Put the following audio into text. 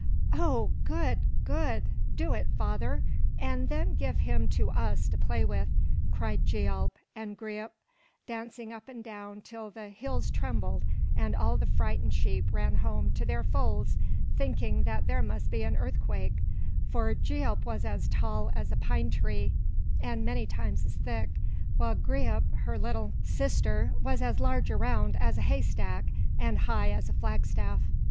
"Oh, good, good! Do it, father, and then give him to us to play with," cried Gialp and Greip, dancing up and down till the hills trembled and all the frightened sheep ran home to their folds thinking that there must be an earthquake; for Gialp was as tall as a pine tree and many times as thick, while Greip, her little sister, was as large around as a haystack and high as a flagstaff.